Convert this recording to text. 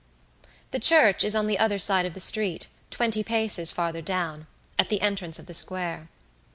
The Church is on the other side of the street, twenty paces farther down, at the entrance of the square.